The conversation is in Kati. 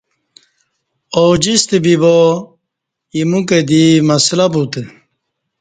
اوجِستہ بِیبا اِیمو کہ دی مسلہ بُوتہ